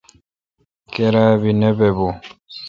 کیرا بی نہ با بو۔